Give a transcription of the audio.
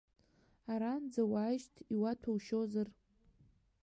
Аранӡа уааишьт, иуаҭәоушьозар.